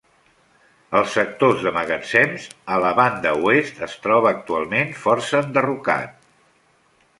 Els sectors de magatzems, a la banda oest, es troba actualment força enderrocat.